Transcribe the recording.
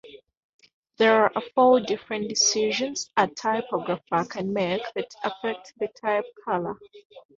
There are four different decisions a typographer can make that affect the type color.